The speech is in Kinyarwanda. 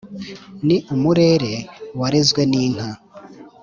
ni umurere warezwe n’inka